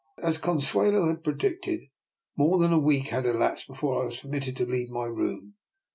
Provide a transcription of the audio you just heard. As Consuelo had predicted, more than a week had elapsed before I was permitted to leave my room.